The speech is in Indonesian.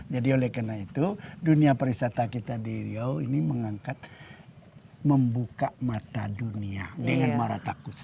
jadi oleh karena itu dunia peristata kita di riau ini mengangkat membuka mata dunia dengan maratakus